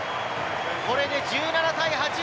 これで１７対８。